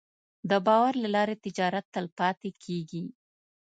د باور له لارې تجارت تلپاتې کېږي.